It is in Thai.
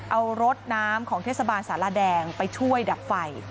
เอารถน้ำของเทศบาลสารแดงไปช่วยดับไฟ